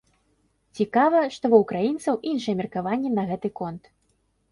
Цікава, што ва ўкраінцаў іншыя меркаванні на гэты конт.